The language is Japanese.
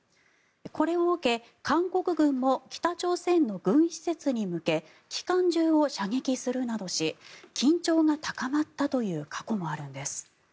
これを受け韓国軍も北朝鮮の軍施設に向け機関銃を射撃するなどし緊張が高まったという過去もあるんです。